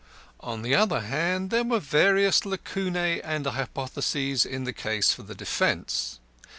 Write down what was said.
On the other hand, there were various lacunæ and hypotheses in the case for the defence.